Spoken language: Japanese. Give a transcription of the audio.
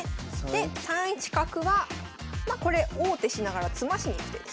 で３一角がまあこれ王手しながら詰ましにいく手です。